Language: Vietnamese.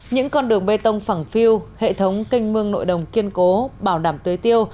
những con đường bê tông phẳng phiêu hệ thống kênh mương nội đồng kiên cố bảo đảm tưới tiêu